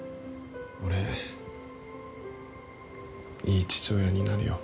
「俺良い父親になるよ」